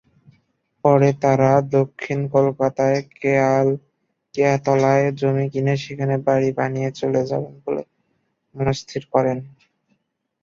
পরে তারা দক্ষিণ কলকাতার কেয়াতলায় জমি কিনে সেখানে বাড়ি বানিয়ে চলে যাবেন বলে মনস্থির করেন।